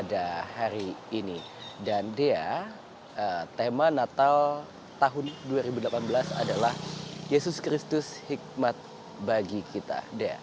dan dia tema natal tahun dua ribu delapan belas adalah yesus kristus hikmat bagi kita